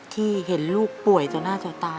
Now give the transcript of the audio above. ที่เห็นลูกป่วยต่อหน้าต่อตา